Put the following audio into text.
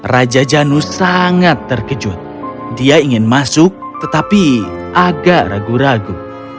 raja janus sangat terkejut dia ingin masuk tetapi agak ragu ragu